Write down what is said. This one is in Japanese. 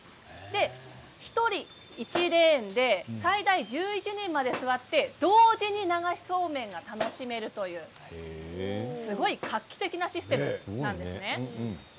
１人１レーンで最大１１人まで座って同時に流しそうめんが楽しめるという、すごい画期的なシステムなんですね。